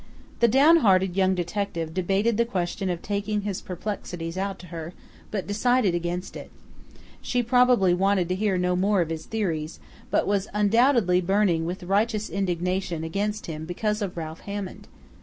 The down hearted young detective debated the question of taking his perplexities out to her, but decided against it. She probably wanted to hear no more of his theories, was undoubtedly burning with righteous indignation against him because of Ralph Hammond....